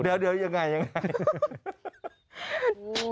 เดี๋ยวยังไงยังไง